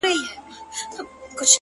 زه وايم راسه حوصله وكړو’